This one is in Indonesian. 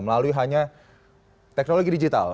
melalui hanya teknologi digital